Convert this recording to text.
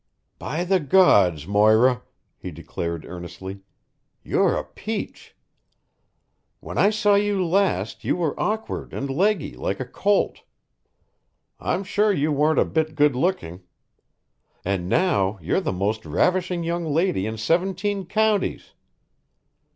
"By the gods, Moira," he declared earnestly, "you're a peach! When I saw you last, you were awkward and leggy, like a colt. I'm sure you weren't a bit good looking. And now you're the most ravishing young lady in seventeen counties.